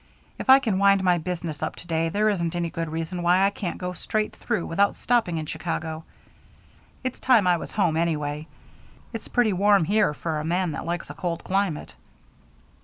If I can wind my business up today there isn't any good reason why I can't go straight through without stopping in Chicago. It's time I was home, anyway; it's pretty warm here for a man that likes a cold climate."